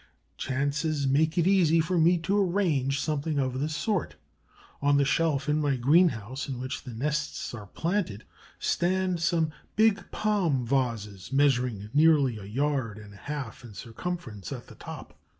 Chance makes it easy for me to arrange something of this sort. On the shelf in my greenhouse in which the nests are planted stand some big palm vases measuring nearly a yard and a half in circumference at the top.